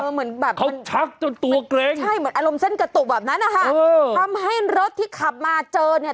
เหมือนแบบใช่เหมือนอารมณ์เส้นกระตุกแบบนั้นนะคะทำให้รถที่ขับมาเจอเนี่ย